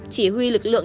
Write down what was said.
chỉ huy lực lượng